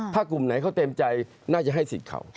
ถ้ากลุ่มไหนเขาเต็มใจน่าจะให้สิทธิ์เขา